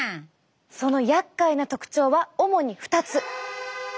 そのやっかいな特徴は主に２つ！